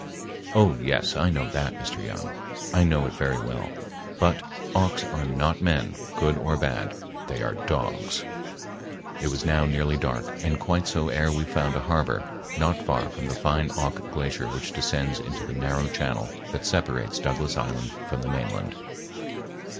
"Oh, yes, I know that, Mr. Young; I know it very well. But Auks are not men, good or bad,—they are dogs." It was now nearly dark and quite so ere we found a harbor, not far from the fine Auk Glacier which descends into the narrow channel that separates Douglas Island from the mainland.